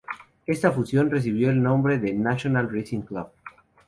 Esta fusión recibió el nombre de Nacional Racing Club.